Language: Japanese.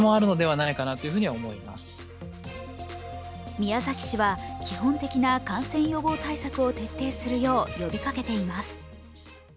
宮崎市は基本的な感染予防対策を徹底するよう呼びかけています。